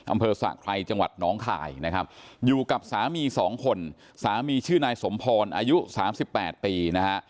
อำเภอสะไครจังหวัดน้องคายนะครับอยู่กับสามีสองคนสามีชื่อนายสมพรอายุ๓๘ปีนะฮะ